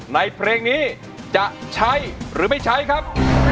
ในเพลงนี้จะใช้หรือไม่ใช้ครับ